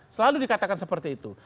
selalu dikatakan seperti itu